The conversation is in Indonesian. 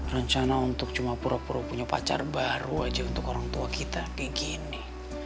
rencana untuk cuma pura pura punya pacar baru aja untuk orang tua kita kayak gini